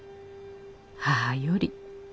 母より」。